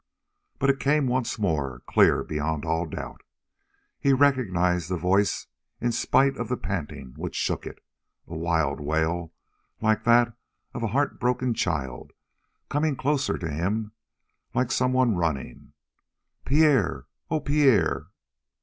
But it came once more, clear beyond all doubt. He recognized the voice in spite of the panting which shook it; a wild wail like that of a heartbroken child, coming closer to him like someone running: "Pierre! Oh, Pierre!"